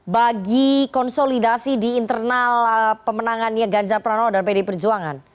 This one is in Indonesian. bagi konsolidasi di internal pemenangannya ganjar pranowo dan pd perjuangan